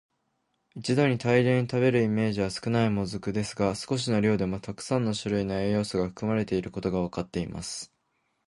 一度に大量に食べるイメージは少ない「もずく」ですが、少しの量でもたくさんの種類の栄養素が含まれていることがわかっています。